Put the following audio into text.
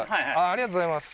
ありがとうございます